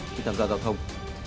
khi tham gia giao thông